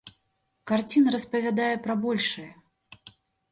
Карціна распавядае пра большае.